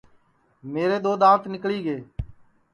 میرے دؔو دؔانٚت نکلی ہے